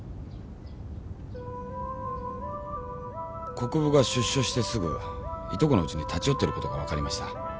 国府が出所してすぐ従兄のウチに立ち寄ってることが分かりました。